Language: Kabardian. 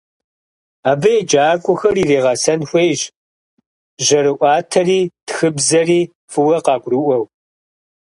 Абы еджакӏуэхэр иригъэсэн хуейщ жьэрыӏуатэри тхыбзэри фӏыуэ къагурыӏуэу.